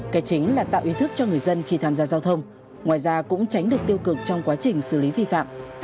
cái chính là tạo ý thức cho người dân khi tham gia giao thông ngoài ra cũng tránh được tiêu cực trong quá trình xử lý vi phạm